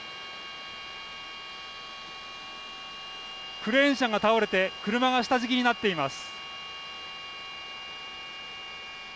クレーン車が倒れて車が下敷きになっています。